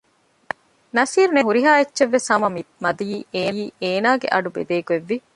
ނަޞީރު ނެތީމާ ހުރިހާ އެއްޗެއްވެސް ހަމަ މަދީ އޭނާގެ އަޑު ބެދޭގޮތް ވި